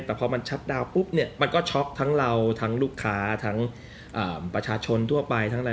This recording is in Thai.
แต่พอมันชัดดาวน์ปุ๊บเนี่ยมันก็ช็อกทั้งเราทั้งลูกค้าทั้งประชาชนทั่วไปทั้งอะไร